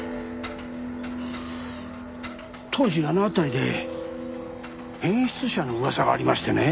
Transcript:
当時あの辺りで変質者の噂がありましてね。